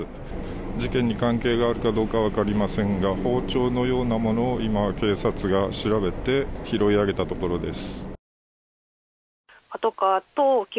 事件に関係があるかどうか分かりませんが包丁のようなものを今、警察が調べて拾い上げたところです。